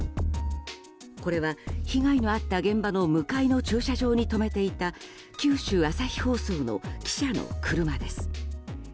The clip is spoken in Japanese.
これは、被害のあった現場の向かいの駐車場に止めていた九州朝日放送の記者の車です。